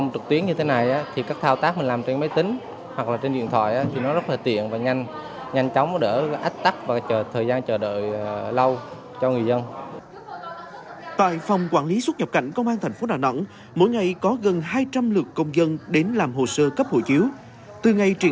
từ ngày triển khai đến ngày trở lại